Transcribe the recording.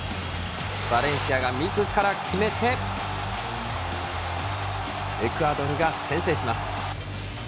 バレンシアがみずから決めてエクアドルが先制します。